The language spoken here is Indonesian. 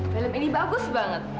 film ini bagus banget